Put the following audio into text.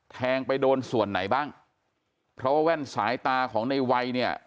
แทงไปโดนส่วนไหนบ้างเพราะว่าแว่นสายตาของในวัยเนี่ย